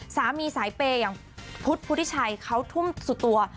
สายเปย์อย่างพุทธพุทธิชัยเขาทุ่มสุดตัว